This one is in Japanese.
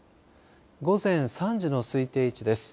午前３時の推定位置です。